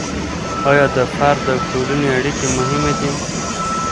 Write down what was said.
آيا د فرد او ټولني اړيکي مهمې دي؟